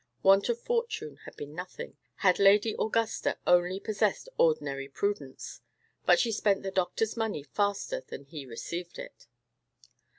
Want of fortune had been nothing, had Lady Augusta only possessed ordinary prudence; but she spent the doctor's money faster than he received it.